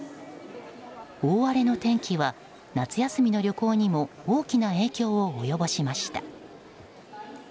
大荒れの天気は夏休みの旅行にも大きな影響を及ぼしました。